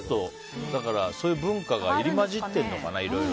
そういう文化が入り混じってるのかな。